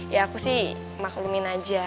ya aku sih maklumin aja